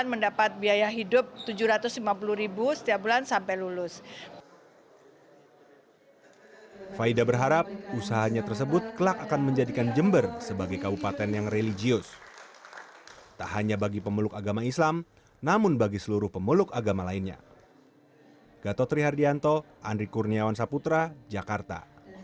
ketua panitia nasional ujian masuk perguruan tinggi keagamaan islam negeri prof dr mahmud menerima penghargaan dari museum rekor indonesia